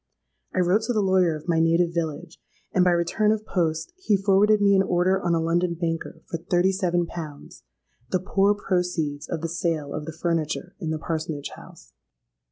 I wrote to the lawyer of my native village; and by return of post he forwarded me an order on a London banker for thirty seven pounds—the poor proceeds of the sale of the furniture in the parsonage house.